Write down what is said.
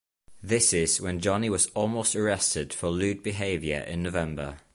This is when Johnny was almost arrested for lude behavior in November.